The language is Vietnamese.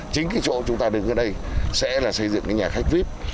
chính cái chỗ chúng ta đứng ở đây sẽ là xây dựng cái nhà khách vip